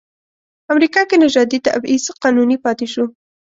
امریکا کې نژادي تبعیض قانوني پاتې شو.